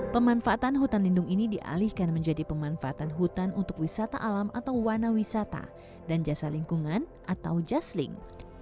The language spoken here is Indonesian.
pemanfaatan hutan lindung ini dialihkan menjadi pemanfaatan hutan untuk wisata alam atau wana wisata dan jasa lingkungan atau jasling